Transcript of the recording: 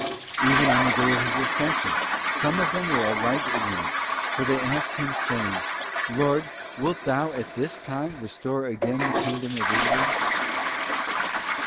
Even on the day of His Ascension some of them were alike igno rant, for they asked Him saying, ' Lord, wilt thou at this time restore again the kingdom to Israel